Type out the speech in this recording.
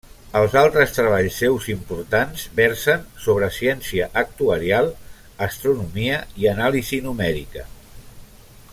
Els altres treballs seus importants versen sobre ciència actuarial, astronomia i anàlisi numèrica.